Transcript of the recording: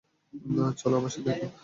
চলো আমার সাথে এখন।